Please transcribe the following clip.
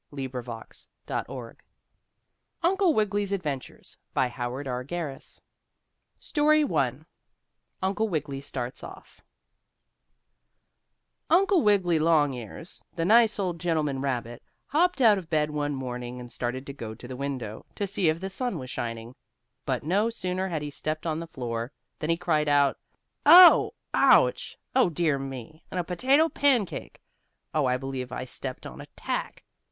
FENNO & COMPANY Uncle Wiggily's Adventures =UNCLE WIGGILY'S ADVENTURES= STORY I UNCLE WIGGILY STARTS OFF Uncle Wiggily Longears, the nice old gentleman rabbit, hopped out of bed one morning and started to go to the window, to see if the sun was shining. But, no sooner had he stepped on the floor, than he cried out: "Oh! Ouch! Oh, dear me and a potato pancake! Oh, I believe I stepped on a tack!